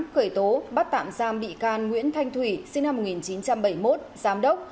khởi tố bắt tạm giam bị can nguyễn thanh thủy sinh năm một nghìn chín trăm bảy mươi một giám đốc